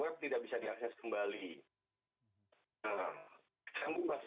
kita beraktifitas normal kembali